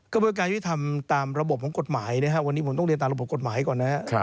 กระบวนการยุทธรรมตามระบบของกฎหมายนะครับวันนี้ผมต้องเรียนตามระบบกฎหมายก่อนนะครับ